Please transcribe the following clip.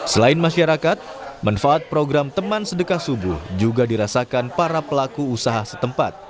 selain masyarakat manfaat program teman sedekah subuh juga dirasakan para pelaku usaha setempat